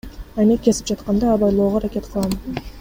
Айнек кесип жатканда абайлоого аракет кылам.